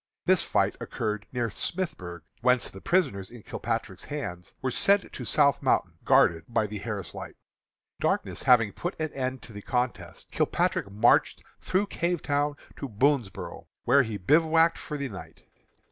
This fight occurred near Smithburg, whence the prisoners in Kilpatrick's hands were sent to South Mountain, guarded by the Harris Light. Darkness having put an end to the contest, Kilpatrick marched through Cavetown to Boonsboro', where he bivouacked for the night.